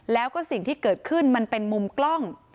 แล้วก็สิ่งที่เกิดขึ้นมันเป็นมุมกล้อง